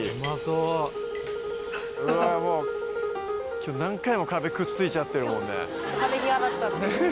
今日何回も壁くっついちゃってるもんね。